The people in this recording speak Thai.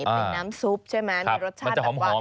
เป็นน้ำซุปใช่ไหมมีรสชาติแบบว่า